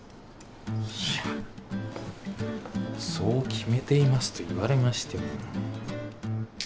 いやそう決めていますと言われましても。